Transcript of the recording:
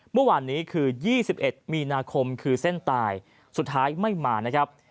เมื่อวานนี้คือ๒๑มีนาคมคือเส้นตายสุดท้ายไม่มานะครับ